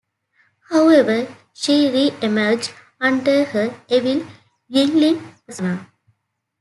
However, she re-emerged under her evil Yinling persona.